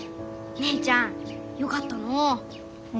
姉ちゃんよかったのう。